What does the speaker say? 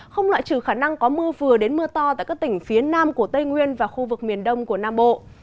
không loại trừ khả năng có mưa vừa đến mưa to tại các tỉnh phía nam của tây nguyên và khu vực miền đông của nam bộ